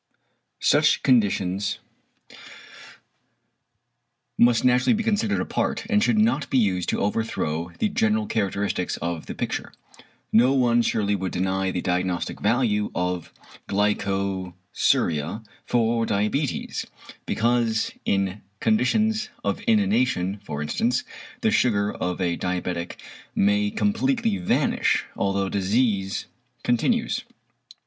Such conditions must naturally be considered apart, and should not be used to overthrow the general characteristics of the picture. No one surely would deny the diagnostic value of glycosuria for diabetes, because in conditions of inanition, for instance, the sugar of a diabetic may completely vanish, although the disease continues.